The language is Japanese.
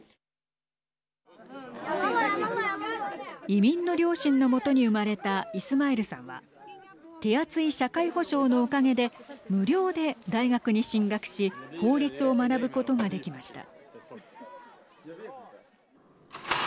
移民の両親の元に生まれたイスマイルさんは手厚い社会保障のおかげで無料で大学に進学し法律を学ぶことができました。